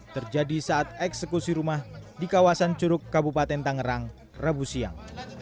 terjadi saat eksekusi rumah di kawasan curug kabupaten tangerang rabu siang